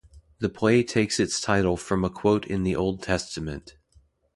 The play takes its title from a quote in the Old Testament.